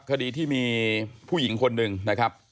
คดีที่มีผู้หญิงคนหนึ่งนะครับ